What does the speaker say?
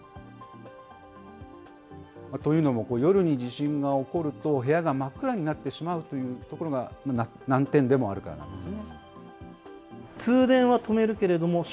というのも、夜に地震が起こると、部屋が真っ暗になってしまうというところが難点でもあるからなん